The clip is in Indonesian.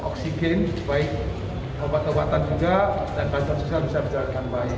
dan bantuan sosial bisa berjalan dengan baik